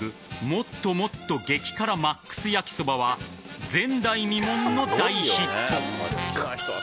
もっともっと激辛ＭＡＸやきそばは前代未聞の大ヒット。